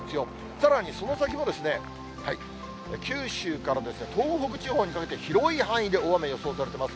さらにその先も、九州から東北地方にかけて、広い範囲で大雨予想されています。